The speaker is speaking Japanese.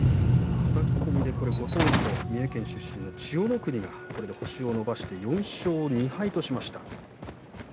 ご当所三重県出身の千代の国が星を伸ばして４勝２敗としました。